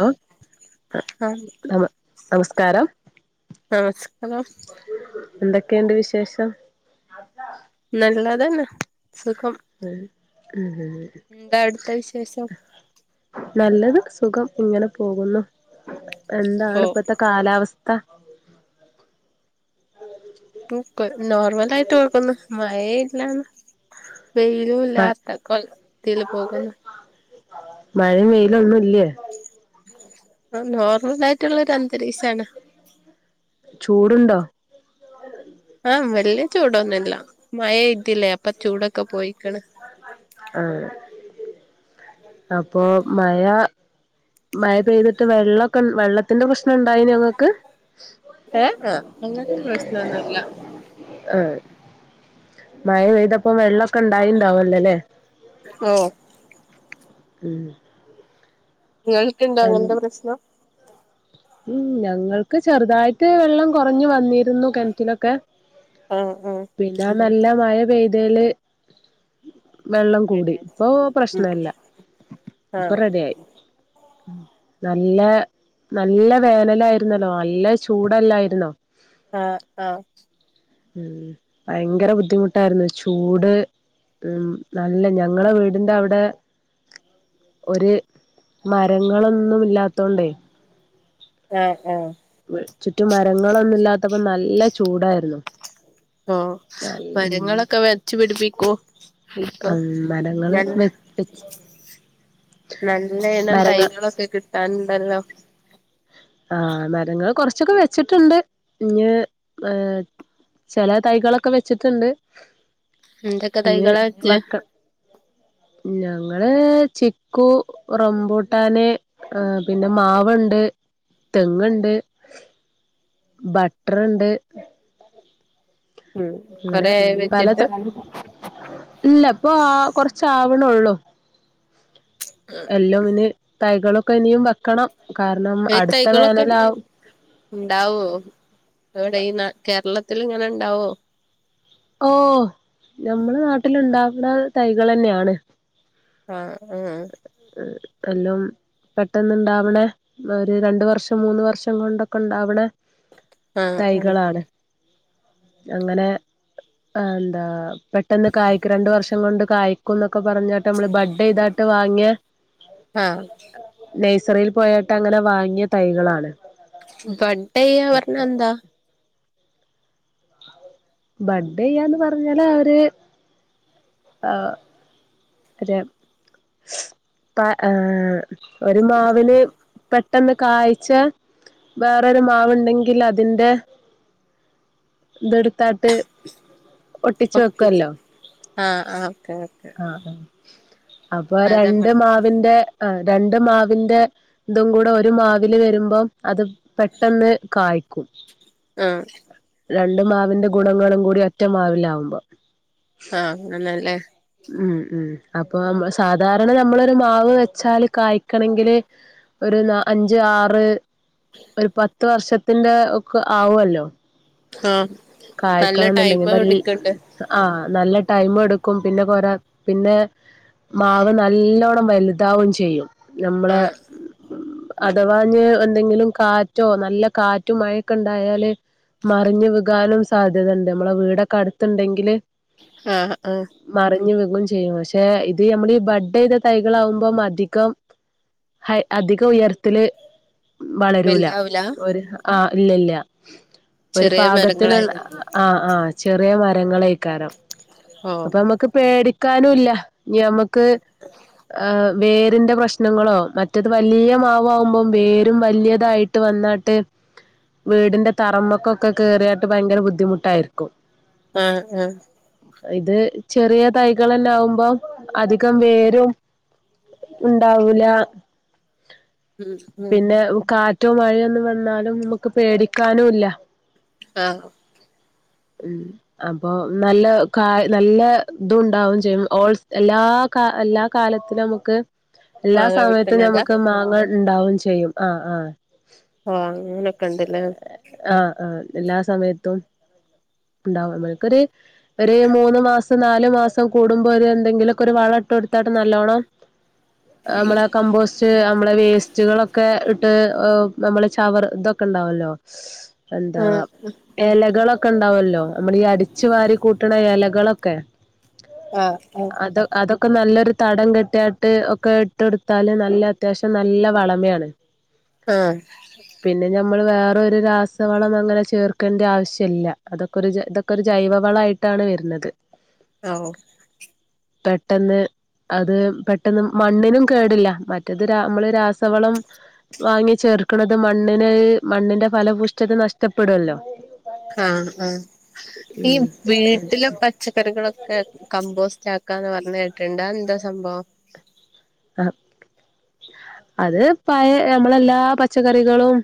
Law ആ നമ നമസ്കാരം നമസ്കാരം എന്തൊക്കെണ്ട് വിശേഷം നല്ലതന്നെ സുഖം [unintelligible] എന്താ അവ്ട്ത്തെ വിശേഷം നല്ലത് സുഖം ഇങ്ങനെ പോകുന്നു എന്താണ് ഓ ഇപ്പത്തെ കാലാവസ് [unintelligible] ട്ടൂപ്പ് നോർമലായിട്ട് ഓക്കൊന്നു മഴേ ഇല്ലഞ മ വെയിലുല്ലാത്ത കോലത്തിൽ പോകുന്നു. മഴയും വെയിലൊന്നുല്ല്യേ? ആ നോർ നൊർമലായിട്ടുള്ളൊരു അന്തരീക്ഷാണ്. ചൂട്ണ്ടോ? ആഹ് വല്ല്യ ചൂടൊന്നൂല്ല മയയ്തില്ലേ അപ്പൊ ചൂടൊക്കെ പോയിക്ക്ണ്. ആഹ് അപ്പൊ മഴ മഴ പെയ്തിട്ട് വെള്ള ക്കൻ വെള്ളത്തിന്റെ പ്രശ് നുണ്ടായിന്യോ ഇങ്ങക്ക് ഏ ആ അങ്ങനെ പ്രശ്നൊന്നുമില്ല ആഹ് മഴ പെയ്തപ്പം വെള്ള ക്കെ ണ്ടായിണ്ടാവൊല്ലോ ല്ലെ ഓ ഉംഹ് ഇങ്ങൾക്ണ്ടോ അങ്ങൻത്തെ പ്രശ്നം? ഉംഹ് ഞങ്ങൾക്ക് ചെറുതായിട്ട് വെള്ളം കൊറഞ്ഞു വന്നിരുന്നു കെൺറ്റിലൊക്കെ. ആ പിന്നെ നല്ല മഴ പെയ്തേല് വെള്ളം കൂടി ഇപ്പൊ പ്രശ്നല്ല ആ ആ ഇപ്പൊ റെഡ്യായി. ഉം നല്ല നല്ല വേനലായിരുന്നല്ലോ നല്ല ചൂടല്ലായിരുന്നോ? ആഹ് ആഹ് ഉം ഭയങ്കര ബുദ്ധിമുട്ടായിരുന്നു ചൂട് ഉം നല്ല ഞങ്ങളെ വീടിന്റെ അവടെ ഒരു മരങ്ങളൊന്നും ഇല്ലാത്തോണ്ടേ ആഹ് ആഹ് ചുറ്റു മരങ്ങളൊന്നും ഇല്ലാത്തപ്പോ നല്ല ചൂടായിരുന്നു ഓ മരങ്ങളൊക്കെ വെച്ച് പിടിപ്പിക്കൂ ഇപ്പൊ ഉം മരങ്ങള് ന വെ വെച്ച് നല്ല ഇന മരങ്ങൾ തൈകളൊക്കെ കിട്ടാൻണ്ടല്ലോ ആ മരങ്ങൾ കൊറച്ചൊക്കെ വെച്ചിട്ടുണ്ട് ഇഞ് ഏ ചില തൈകളൊക്കെ വെച്ചിട്ടുണ്ട് എന്തെക്ക ഇഞ്ഞ് തൈകളച്ച വെക്ക ഞങ്ങള് ചിക്കു റമ്പൂട്ടാന ആ പിന്നെ മാവുണ്ട് തെങ്ങ്ണ്ട് ബട്ടർണ്ട് അങ്ങനെ കൊറേ ആയോ പലത വെച്ചിട്ട് ഇല്ല ഇപ്പൊ ആ കൊറച്ച ആ ണോ ഉള്ളൂ എല്ലാം ഇന് തൈകളൊക് ഇപ്പൊ ഇനിയും വെക്കണം കാരണം ഈ അടുത്ത തൈകളൊക്കെ വേനല ഉണ്ടാവോ എവിടെ ഈ കേരളത്തിൽ ഇങ്ങനെ ഇണ്ടാവോ ഓ നമ്മുടെ നാട്ടിലുണ്ടാക്കുന്ന തൈകൾ തന്നെയാണ് ആ ആ എല്ലാം പെട്ടെന്ന് ഇണ്ടാവണേ ഒരു രണ്ട വർഷം മൂന്ന് വർഷം കൊണ്ടൊക്കെ ഉണ്ടാവണേ ആഹ് ആഹ് തൈകളാണ് അങ്ങനെ എന്ത പെട്ടെന്ന് കായ്ക്കു രണ്ട് വർഷം കൊണ്ട് കായിക്കു പറഞ്ഞട്ട് നമ്മള് ബഡ് അയ്താട്ടു വാ ങ്ങ്യ ആ റയിൽ പോയട്ട് അങ്ങനെ വാങ്ങിയ തൈകളാണ് ബഡ്ഡ്യ്യ പറഞ്ഞ അപ്പൊ എന്താ ബാഡ്ഡ്യ്യന്ന് പറഞ്ഞാല് അവര് ആ അ ഏ ഒരു മാവിന് പെട്ടെന്ന് കാഴ്ച വേറൊരു മാവുണ്ടെങ്കിൽ അതിറെ ഇതെടു തട്ട് ഒട്ടിച്ചു ഒട്ടിച്ച് വെക്കുവല്ലോ ആഹ് ആഹ് ഓക്കെ ഓക്കെ ആ ഉ അപ്പൊ അതെ രണ്ട് ബഡ് മാവിന്റെ ആ രണ്ട് മാവിന്റെ ഇതും കൂടെ ഒരു മാവിൽ വരുമ്പം അത് പെട്ടെന്ന് കായ്ക്കും ആഹ് രണ്ടു മാവിന്റെ ഗുണങ്ങളും കൂടി ഒറ്റ മാവൽലാവുമ്പോ ആ അങ്ങന്നല്ലേ ഉം ഉ അപ്പൊ സാധാരണ നമ്മളൊരു മാവ് വെച്ചാല് കായ്ക്കണങ്കില് ഒരു അഞ്ച് ആറ് ഒരു പത്ത് വർഷത്തിന്റെ ഒക്കെ ആവല്ലോ ആഹ് നല്ല കായ്ക്കണന്നുണ്ടെങ്കി ടൈമ് നല്ല എടുക്ക്ണ്ട് ആ നല്ല ടൈമെടുക്കും പിന്നെ കൊരാ പിന്നെ മാവ് നല്ലോണ്ണം വലുതാവു ചെയ്യും നമ്മളെ ആഹ് അതവാഞ്ഞ് ന്തെങ്കിലും കാറ്റോ നല്ല കാറ്റും മഴയൊക്കെ ഉണ്ടായാല് മറിഞ്ഞ് വികാനും സാധ്യത ഇണ്ട് നമ്മളെ വീടൊക്കെ അടുത്തണ്ടെങ്കില് ആഹ് ആഹ് ഇനി വികും ചെയ്യും പക്ഷെ ഇത് നമ്മൾ ഈ ബഡെയ്ത തൈകളാകുമ്പ അധികം അധികം ഉയർത്തല് വളരൂല്ല വലുതാവൂല ഒരു ആ ഇല്ലില്ല്യ ഒരു ചെറിയ പാകത്തിനുള്ള മരങ്ങളായിരിക്കും ആഹ് ആഹ് ചെറിയ മരങ്ങളെയിക്കാരം ഓഹ് അപ്പൊ മ്മക്ക് പേടി ക്കാനൂല്ല നി ഞമ്മക്ക് ആഹ് വേരിന്റെ പ്രശ്നങ്ങളോ മറ്റത് വലിയ മാവ് ആവുമ്പോ വേരും വലിയതായിട്ട് വന്നാട്ട് വീടിന്റെ തറമക്കൊക്കെ കേറിയാട്ട് ഭയങ്കര ബുദ്ധിമുട്ടായിരിക്കും ആഹ് ആഹ് ഇത് ചെറിയ തൈകളല്ലാവു മ്പോ അധികം വേരും ഉണ്ടാവൂല ഉം ഉം പിന്നെ കാ റ്റും മഴയൊന്നു വന്നാലും നമക്ക് പേടിക്കാനൂല്ല ആഹ് ഉം അപ്പൊ നല്ല ക നല്ല തുണ്ടാവും ചെയ്യും ഓൾ എല്ലാ എല്ലാ കാലത്തിലുമ്മക്ക് എല്ലാ മാങ്ങ സമയത്തു വിട്ടുന്നതാ നമ്മക്ക് മാങ്ങ ഇ- ണ്ടാവും ചെയ്യും അ ആഹ് ആഹ് അങ്ങനെക്ക്ണ്ടലേ ആഹ് ആഹ് എല്ലാ സമയത്തും ഉണ്ടാവു മെക്കറി ഒരു മൂന്ന് മാസം നാല് ല് മാസം കൂടുമ്പോര് എന്തെലെക്കൊരു വളട്ട് എടുത്താട്ട് നല്ലോണം നമ്മള് കമ്പോസ്റ്റ് നമ്മള് വേസ്റ്റ് സ്റ്റുകളൊക്കെ ഇട്ട് നമ്മള് ചവർ ഇതൊക്കെ ഇണ്ടാവല്ലോ എന്താ ആ എലകളൊ- ഇണ്ടാവല്ലോ നമ്മൾ ഈ അടിച്ചു വാരി കൂട്ടണ എലകളൊക്കെ ആഹ് ആഹ് അതോ അതൊക്കെ നല്ലൊരു തടം കെട്ടിയാട്ട് ഒക്കെ ഇട്ടൊടുത്താല് നല്ല അത്യാവശ്യം നല്ല വളമയാണ് ആ പിന്നെ നമ്മൾ വേറൊരു രാസവളം അങ്ങനെ ചേർക്കേണ്ട ആവശ്യമില്ല അതൊക്കെ ഒരു ഇതൊക്കെ ഒരു ജൈവവളയിട്ടാണ് വരുന്നത് ആ പെട്ടെന്ന് അത് പെട്ടെന്ന് മണ്ണിനും കേടില്ല മറ്റത് രാ നമ്മള് രാസവളം വാങ്ങി ചേർക്കണത് മണ്ണിന് മണ്ണിന്റെ ഫലപൂഷ്ടത നഷ്ടപ്പെടുല്ലോ. ആഹ് ആ ഈ വീട്ടിലെ പച്ചക്കറികളൊക്കെ കമ്പോസ്റ്റ് ആ ക്കാന്ന പറഞ്ഞ കേട്ടിണ്ട അതെന്താ സംഭവം. അത് പഴ നമ്മള എല്ലാ പച്ചക്കറികളും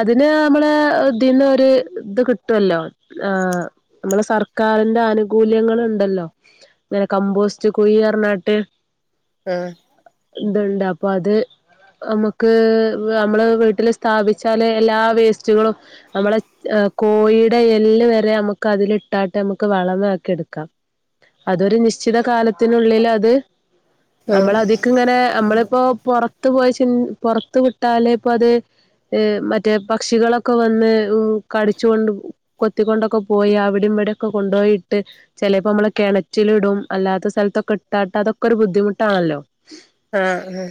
അതിന് നമ്മള ഇതിന്ന ഒരു ഇത് കിട്ടുമല്ലോ ആ നമ്മള സർക്കാരിന്റെ ആനുകൂല്യങ്ങള്ണ്ടല്ലോ ഇങ്ങനെ കമ്പോസ്റ്റ് കുഴി അരഞ്ഞാട്ട് ആ ഇതുണ്ട് അപ്പൊ അത് നമ്മുക്ക് നമ്മള് വീട്ടില് സ്ഥാപിച്ചാല് എല്ലാ വേസ്റ്റുകളും നമ്മളെ കോഴിയുടെ എല്ല് വരെ നമുക്ക് അതില ഇട്ടാട്ട് നമുക്ക് വളമ ആക്കി എടുക്കാം അതൊരു നിശ്ചിത കാലത്തിനുള്ളിൽ അത് നമ്മള ആഹ് അതിക്കിങ്ങനെ നമ്മളിപ്പോ പൊറത്ത് പോയി ചി പൊറത്ത് വിടലിപ്പത് മറ്റേ പക്ഷികളൊക്കെ വന്ന് കടിച്ചുകൊണ്ട് കൊത്തിക്കൊണ്ടൊക്കെ പോയി അവിടെ ഇവിടെക്കെ കൊണ്ടുപോയിട്ട് ചിലപ്പോ നമ്മള് കിണറ്റിലിടും അല്ലാത്ത സ്ഥലത്തൊക്കെ ഇട്ടാട്ട് അതൊക്കെ ഒരു ബുദ്ധിമുട്ട് ട്ടാണല്ലോ ആ ആ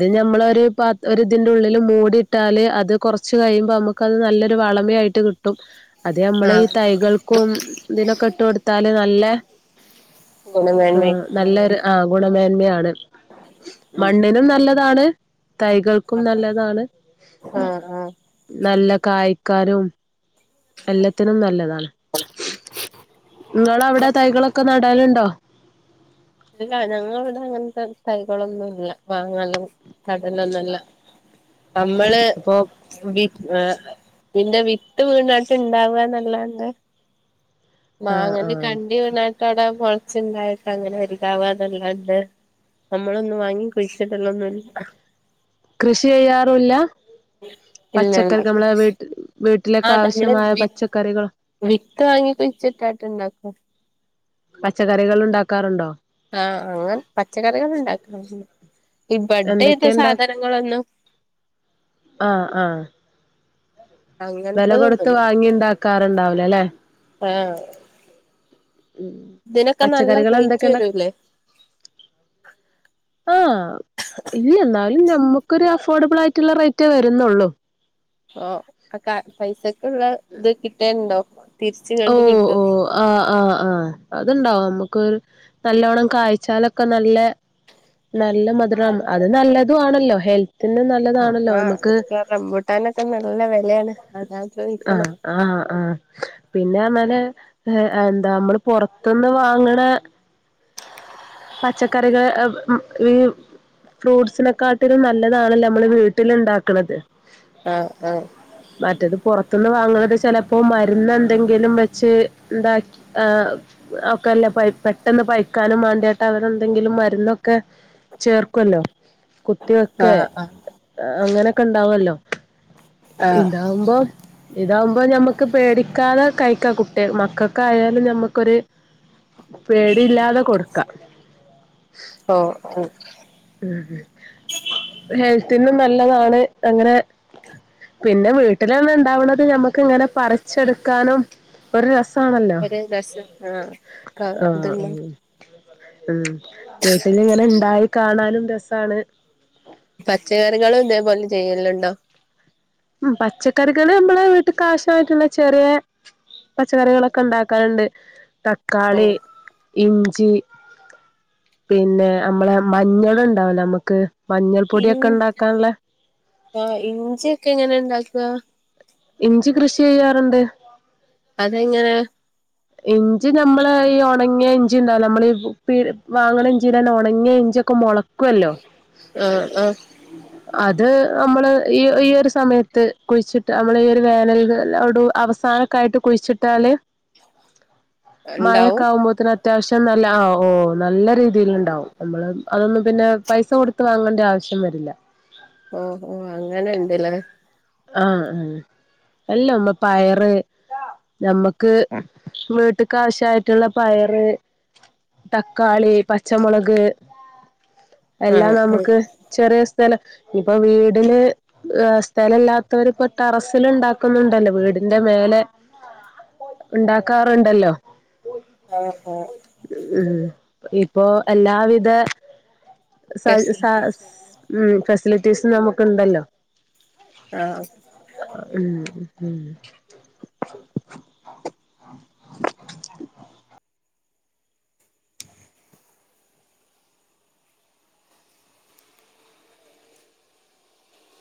അത് നമ്മളൊരു പ ഒരിതിന്റെ ഉള്ളില് മൂടിട്ടാല് അത് കുറച്ച് കഴിയുമ്പോ നമുക്ക്ത് നല്ലൊരു വളമ ആയിട്ട് കിട്ടും. അതെ നമ്മള് ഈ ആഹ് തൈകൾക്കും ഇതിനൊക്കെ ഇട്ട് കൊടുത്താല് നല്ല ല്ല ആ ഗുണമേന്മ നല്ലൊരു ആ ഗുണമേന്മയാണ് ഉം മണ്ണിനും നല്ലതാണ് തൈകൾക്കും നല്ലതാണ് ആഹ് ആഹ് നല്ല കായ് ക്കാരും എല്ലാത്തിനും നല്ലതാണ് ങ്ങവിളെ അവിടെ തൈകളൊക്കെ നടാനുണ്ടോ ഇല്ല ഞങ്ങളിട അങ്ങനത്തെ തൈകളൊന്നും ഇല്ല മാങ്ങലും കടലൊന്നുംല്ല നമ്മള് അപ്പൊ വി പിന്റെ വിത്ത് വീണാട്ട് ഇണ്ടാവാന്നല്ലാണ്ടെ ആഹ് മാങ്ങാന്റൊക്കെ ആഹ് അണ്ടി വീണട്ടവിടെ മുള ച്ണ്ടായിട്ട അങ്ങനെ വരും [unintelligible] നമ്മളൊന്നും വാങ്ങി കുഴിച്ചിടലൊന്നുല്ല കൃഷി ചെയ്യാറില്ല പച്ചക്കറിക്ക് നമ്മള വീട്ടി വീട്ടി ആ തമ്മള് വി വിത്ത് വാങ്ങിക്കൊ ചിട്ടാട്ട് ഇണ്ടാക്കും പച്ചക്കറികൾ ഉണ്ടാക്കാറുണ്ടോ ആ അങ്ങ് പച്ചക്കറികൾ ഉണ്ടാ [unintelligible] ഇബടെ എന്തൊക്കെ ഇത ഇണ്ടാ സാധനങ്ങളൊന്നു വെല കൊടുത്ത് വാങ്ങിണ്ടാക്കാറുണ്ടാവ് ലലെ ആഹ് തിനൊക്കെ നല്ല പച്ചക്കറികൾ റൈറ്റ് എന്തൊക്കെ ഉണ്ടാക്ക വരുലെ ആഹ് ഇല്ലന്നാ ഞമ്മുക്കൊരു അഫോർഡബിളായിട്ട്ള്ള റേറ്റെ വരുന്നൊള്ളൂ ഓ ഒക്ക പൈസക്ക്ള്ള ത് കിട്ടേണ്ടോ? തിര്ച്ച്കാണ്ട് കിട്ടും അത്ണ്ടാവും നമ്മുക്കൊര് നല്ലോണം കായ്ച്ചാലൊക്കെ നല്ലെ നല്ല മധുരം അത് നല്ലതു ആണല്ലോ ഹെൽത്തിന് നൽ ആഹ് [unintelligible] റമ്പുട്ടാനൊക്കെ നല്ല വെലാണ് ആഹ് ആഹ് ആഹ് പിന്നെ അറ്ന്നാല് എന്താ ക്മ്മള് പൊറത്ത്ന്ന് വാങ്ങ്ണെ പച്ചക്കറികൾ ഈ ഫ്രൂട്ടസിനെക്കാട്ടൊരു നല്ലതാണല്ലോ നമ്മള് വീട്ടില് ഇണ്ടാക്ക്ണത് ആഹ് ആഹ് പത്ത്ന്ന് വാങ്ങ്ന്നത് ചാല് അപ്പോ മരുന്ന് എന്തെങ്കിലും വെച്ച് ഇന്ത എഹ് ഒക്കെല്ലെ പെട്ടെന്ന് പയ്ക്കാനും മാണ്ട്യാ അവരെന്തെങ്കിലും മരുന്നൊക്കെ ചേർക്ക്വല്ലോ ത്തേക്കെ ആഹ് ആഹ് അങ്ങനെ ക്കെ ഇണ്ടാവൊല്ലോ ആഹ് ഇതാവുമ്പോ ഇതാവുമ്പോ നമ്മക്ക് പേടിക്കാതെ കഴിക്കാം കുട്ട്യേ മക്കെക്കാ ആയാലും ഞമ്മക്കൊരു പേടി ഇല്ലാതെ കൊടു ക്ക ഓഹ് ഓഹ് ഉം ഹെൽത്തിനും നല്ലതാണ് അങ്ങനെ പിന്നെ വീട്ടിലെന്നെ ഇണ്ടാവ്ണത് ഞമ്മക്ക് ഇങ്ങനെ പറിച്ചെടുക്കാനും ഒരു രസ ഒരു രസം ആഹ് ക്ക ആഹ് ഇതെല്ലാം ഉം ഉം വീട്ടിലിങ്ങനെ ഇണ്ടായി കാണാനും രസാണ്. പച്ചക്കറികളും ഇതേപോലെ ചെയ്യല്ണ്ടോ? ഉം പച്ചക്കറികള് അമ്മള് വീട്ട് കാവശ്യായിട്ടുള്ള ചെറ്യേ പച്ചക്കറികളൊക്കെ ണ്ടാക്കാറ്ണ്ട്. ഓ തക്കാളി ഇഞ്ചി പിന്നെ അമ്മളെ മഞ്ഞള് ഇണ്ടാവൊ ല്ലൊ ഞമക്ക് മഞ്ഞൾ ഇൻ പൊടിക്കെ ഇണ്ടാക്കാൻള്ളെ ഒക്ക എങ്ങനെ ണ്ടാക്ക? ഇഞ്ചി കൃഷി ചെയ്യാറ്ണ്ട്. അതെങ്ങനെ? ഇഞ്ചി ഞമ്മള് ഈ ഒണങ്ങ്യ ഇഞ്ചി ണ്ടാവൂലെ അമ്മള് പ് പീ വാങ്ങണ ചിഞ്ചിലെനെ ഒ ണങ്ങ്യ ഇഞ്ച്യൊക്കെ മൊള ക്കുവല്ലോ ആഹ് ആഹ് അത് ഞമ്മള് ഈ ഈ ഒരു സമയത്ത് കുയിച്ചിട്ട അമ്മള് ഈ ഒരു വേനല് [unintelligible] ഒടു അവസാനൊക്കായിട്ട് കുയിച്ചിട്ടാല് മയൊക്കെ ഇണ്ടാവും ആവുമ്പോത്തിന ത്യാവശ്യം നല്ല ആഹ് ഓ നല്ല രീതിയില്ണ്ടാവും നമ്മള് അതൊന്നും പിന്നെ പൈസ കൊടുത്ത് വാങ്ങേണ്ട ആവശ്യം വെരില്ല. ഓ ഓ അങ്ങനെ ണ്ട്ല്ലേ ആഹ് ആഹ് അല്ല നമ്മ പയറ് നമ്മക്ക് വീട്ട്ക്ക് ആവശ്യായിട്ടുള്ള പയറ്, തക്കാളി, പച്ചമുളക് ആഹ് എല്ലാം ആഹ് നമുക്ക് ചെറിയ സ് സ്ഥല ഇപ്പോ വീടില് അ് സ്ഥലല്ലാ തോര് പ്പൊ ടെറസില് ണ്ടാക്ക്ന്ന്ണ്ടല്ലോ വീടിന്റെ മേലെ ഇണ്ടാക്കാറ്ണ്ടല്ലോ ആഹ് അഹ് ഇപ്പൊ എല്ലാവിധ സഹ് സ ഫെസിലിറ്റീസ് ഉം ഫസ്റ്റ ഫ്ലീറ്റീസ് നമുക്ക് ഇണ്ടല്ലോ ആഹ് ആഹ് ഉം ഉം